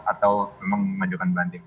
atau memang mengajukan banding